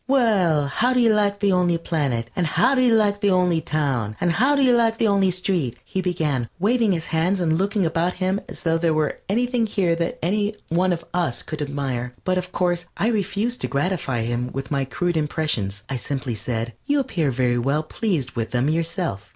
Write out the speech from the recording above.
"Well, how do you like the Only Planet? and how do you like the Only Town? and how do you like the Only Street?" he began, waving his hands and looking about him as though there were anything here that one of us could admire. But, of course, I refused to gratify him with my crude impressions. I simply said: "You appear very well pleased with them yourself."